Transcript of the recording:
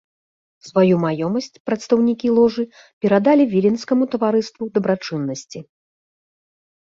Сваю маёмасць прадстаўнікі ложы перадалі віленскаму таварыству дабрачыннасці.